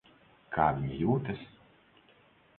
Kā viņa jūtas?